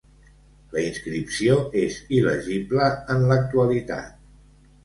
La inscripció és il·legible en l'actualitat.